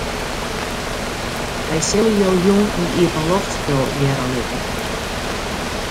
Wy sille jo jûn in iepenloftspul hearre litte.